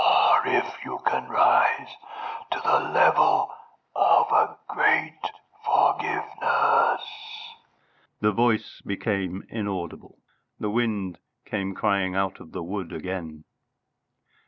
"Or if you can rise to the level of a great forgiveness " The voice became inaudible.... The wind came crying out of the wood again.